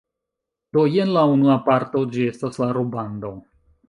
Do jen la unua parto, ĝi estas la rubando